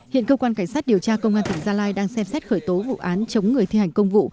hiện cơ quan cảnh sát điều tra công an tỉnh gia lai đang xem xét khởi tố vụ án chống người thi hành công vụ